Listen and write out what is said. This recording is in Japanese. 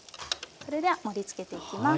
それでは盛りつけていきます。